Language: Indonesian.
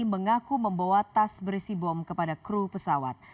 mengaku membawa tas berisi bom kepada kru pesawat